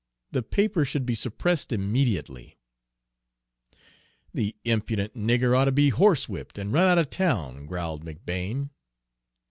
"The paper should be suppressed immediately." "The impudent nigger ought to be horsewhipped and run out of town," growled McBane.